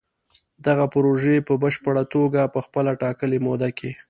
دغه پروژې به په پشپړه توګه په خپله ټاکلې موده کې